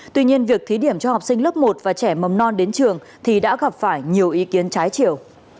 tuy nhiên việc thí điểm cho học sinh lớp một và trẻ mầm non đến trường thì đã gặp phải nhiều ý kiến trái chiều